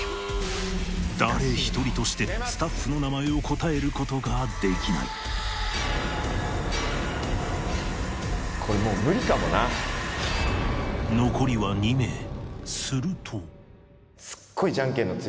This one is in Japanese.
誰一人としてスタッフの名前を答えることができない残りは２名するとみんなでじゃんけんして。